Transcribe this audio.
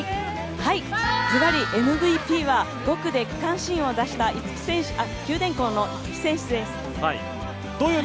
ズバリＭＶＰは、５区で区間新を出した九電工の逸木選手です。